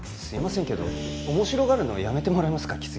すいませんけど面白がるのやめてもらえますか？